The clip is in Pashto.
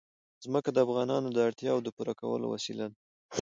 ځمکه د افغانانو د اړتیاوو د پوره کولو وسیله ده.